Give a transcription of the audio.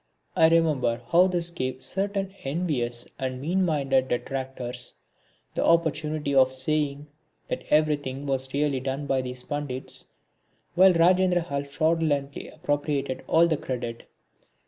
I remember how this gave certain envious and mean minded detractors the opportunity of saying that everything was really done by these Pandits while Rajendrahal fraudulently appropriated all the credit.